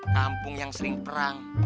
kampung yang sering perang